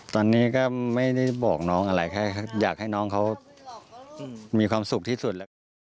ตอนนี้ก็ไม่ได้บอกน้องอะไรแค่อยากให้น้องเขามีความสุขที่สุดแล้วกัน